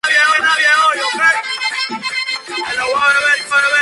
Tras este evento el Papa instituyó la Jornada Mundial de la Juventud.